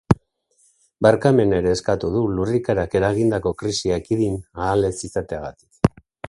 Barkamena ere eskatu du lurrikarak eragindako krisia ekidin ahal ez izateagatik.